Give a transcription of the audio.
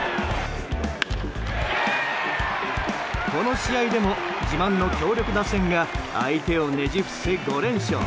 この試合でも自慢の強力打線が相手をねじ伏せ、５連勝。